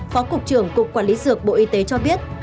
phó cục trưởng cục quản lý dược bộ y tế cho biết